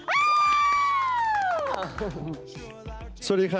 สวัสดีครับผมอองลีพล็อกซี่ครับ